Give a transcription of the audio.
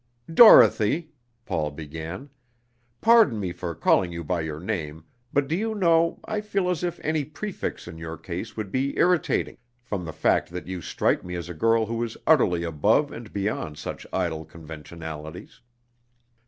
"Dorothy!" Paul began, "pardon me for calling you by your name, but do you know I feel as if any prefix in your case would be irritating, from the fact that you strike me as a girl who is utterly above and beyond such idle conventionalities.